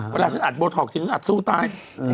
ว้าวอาหารหัวตอบนี้อาจสู้ตาย